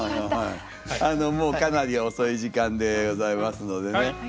もうかなり遅い時間でございますのでね